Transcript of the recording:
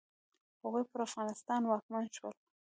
هغوی پر افغانستان واکمن شول.